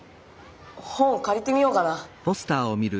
本をかりてみようかな。